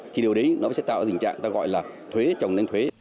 thì điều đấy nó sẽ tạo ra tình trạng ta gọi là thuế chồng đánh thuế